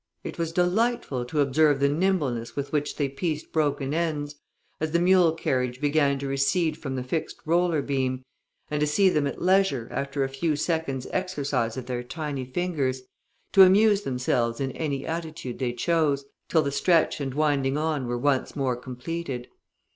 It was delightful to observe the nimbleness with which they pieced broken ends, as the mule carriage began to recede from the fixed roller beam, and to see them at leisure, after a few seconds' exercise of their tiny fingers, to amuse themselves in any attitude they chose, till the stretch and winding on were once more completed.